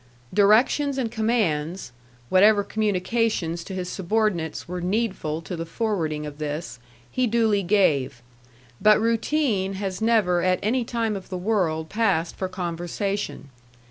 Directions and commands whatever communications to his subordinates were needful to the forwarding of this he duly gave. But routine has never at any time of the world passed for conversation.